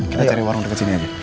kita cari warung dekat sini aja